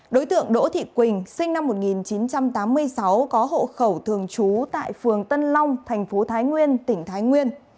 đối tượng đỗ thị quỳnh sinh năm một nghìn chín trăm tám mươi sáu có hộ khẩu thường trú tại phường tân long thành phố thái nguyên tỉnh thái nguyên